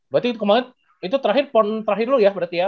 berarti itu kemarin itu terakhir pon terakhir dulu ya berarti ya